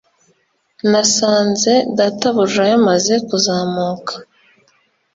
Nasanze databuja yamaze kuzamuka